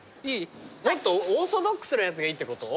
もっとオーソドックスなやつがいいってこと？